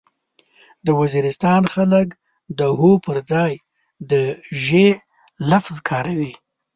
د وزيرستان خلک د هو پرځای د ژې لفظ کاروي.